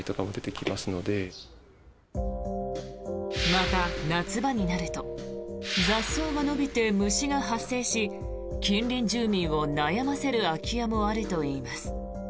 また、夏場になると雑草が伸びて虫が発生し近隣住民を悩ませる空き家もあるといいます。